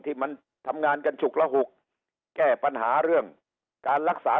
ที่มันทำงานกันฉุกระหุกแก้ปัญหาเรื่องการรักษา